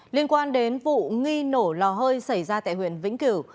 liên quan đến vụ nghi nổ lò hơi xảy ra tại huyện vĩnh cửu